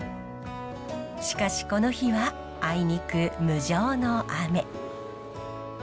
しかしこの日はあいにく無情の雨。